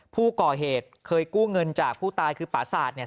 ผู้ก่อเหตุเคยกู้เงินจากผู้ตายคือปราศาสตร์เนี่ย